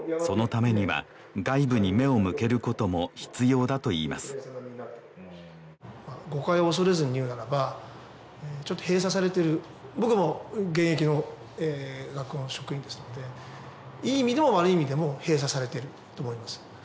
そのためには外部に目を向けることも必要だといいます誤解を恐れずに言うならばちょっと閉鎖されてる僕も現役の学校の職員ですのでいい意味でも悪い意味でも閉鎖されてると思います